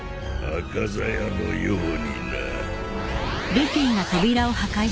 赤鞘のようにな。